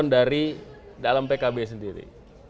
untuk menelurkan capres dua ribu sembilan belas